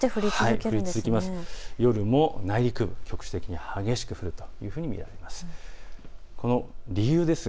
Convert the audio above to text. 夜も内陸部、局地的に激しく降るというふうに見られます。